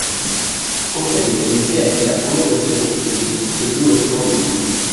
En cas d'égalité après la prolongation, le titre se joue aux tirs au but.